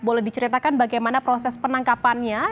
boleh diceritakan bagaimana proses penangkapannya